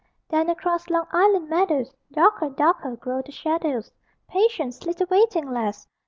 (Then, across Long Island meadows, Darker, darker, grow the shadows: Patience, little waiting lass!